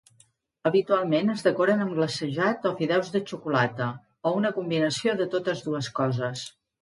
Habitualment, es decoren amb glacejat o fideus de xocolata, o una combinació de totes dues coses.